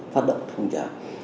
phát động thông trào